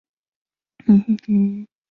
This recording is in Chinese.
全部内容都在里面了